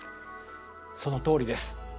そのとおりです。